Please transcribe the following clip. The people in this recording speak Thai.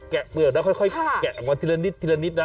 แล้วค่อยแกะออกมาทีละนิดนะ